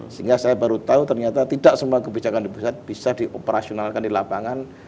sehingga saya baru tahu ternyata tidak semua kebijakan di pusat bisa dioperasionalkan di lapangan